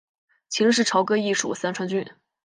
秦时朝歌邑属三川郡。